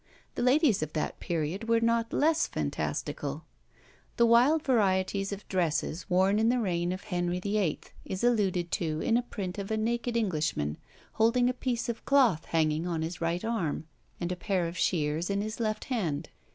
The ladies of that period were not less fantastical. The wild variety of dresses worn in the reign of Henry VIII. is alluded to in a print of a naked Englishman holding a piece of cloth hanging on his right arm, and a pair of shears in his left hand.